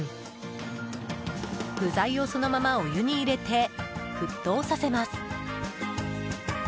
具材をそのままお湯に入れて沸騰させます。